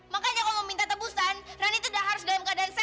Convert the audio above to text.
makanya kalau mau minta tebusan rani itu udah harus dalam keadaan sehat